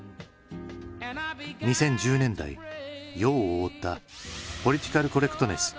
２０１０年代世を覆ったポリティカル・コレクトネス。